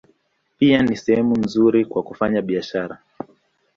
Pia ni sehemu nzuri kwa kufanya biashara.